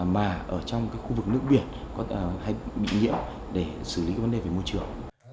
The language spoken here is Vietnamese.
mà ở trong khu vực nước biển có thể bị nhiễm để xử lý vấn đề về môi trường